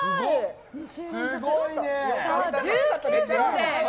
すごいね。